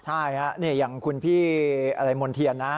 ใช่อย่างคุณพี่โมนเทียนนะ